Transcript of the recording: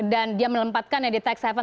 dan dia melempatkan di tag seven